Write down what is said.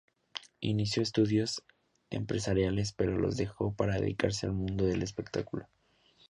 Inició estudios empresariales pero los dejó para dedicarse al mundo del espectáculo.